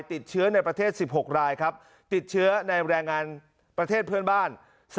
ติดเชื้อในประเทศ๑๖รายครับติดเชื้อในแรงงานประเทศเพื่อนบ้าน